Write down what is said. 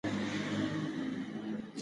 که کتاب نه وي جهالت وي.